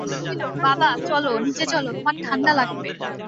কহিল, বাবা, চলো, নীচে চলো, তোমার ঠাণ্ডা লাগবে।